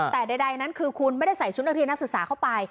แต่ใดนั้นคือคุณไม่ได้ใส่ชุดนักเรียนนักศึกษาเข้าไป